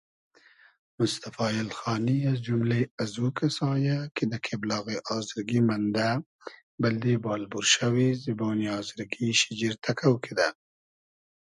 موستئفا اېلخانی از جوملې ازوکئسا یۂ کی دۂ کېبلاغی آزرگی مئندۂ بئلدې بال بورشئوی زیبۉنی آزرگی شیجیر تئکۆ کیدۂ